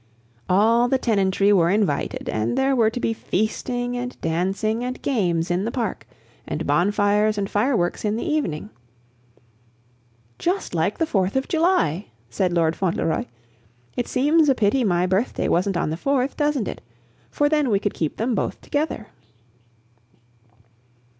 All the tenantry were invited, and there were to be feasting and dancing and games in the park, and bonfires and fire works in the evening. "Just like the Fourth of July!" said Lord Fauntleroy. "It seems a pity my birthday wasn't on the Fourth, doesn't it? For then we could keep them both together."